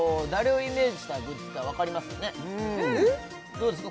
どうですか？